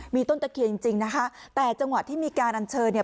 มีต้นตะเคียนจริงจริงนะคะแต่จังหวะที่มีการอัญเชิญเนี่ย